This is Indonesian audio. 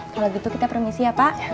kalau gitu kita permisi ya pak